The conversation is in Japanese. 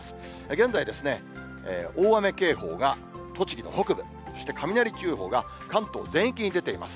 現在ですね、大雨警報が栃木の北部、そして雷注意報が関東全域に出ています。